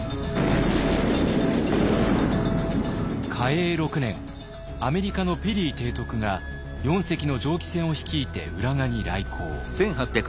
嘉永６年アメリカのペリー提督が４隻の蒸気船を率いて浦賀に来航。